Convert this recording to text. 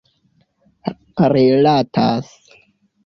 rilatas